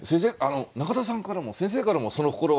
中田さんからも先生からも「その心は」